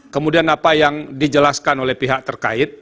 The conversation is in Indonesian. kemudian apa yang dijelaskan oleh pihak terkait